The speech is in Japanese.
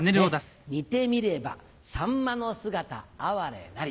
煮てみれば秋刀魚の姿哀れなり。